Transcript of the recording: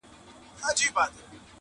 • د پیربابا پر قبر -